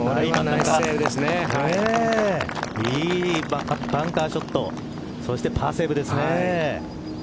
いいバンカーショットそしてパーセーブですね。